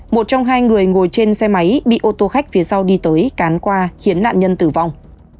một trong hai người ngồi trên xe máy bị ô tô khách phía sau đi tới cán qua khiến nạn nhân tử vong